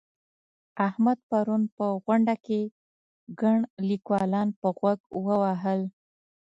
احمد پرون په غونډه کې ګڼ ليکوالان په غوږ ووهل.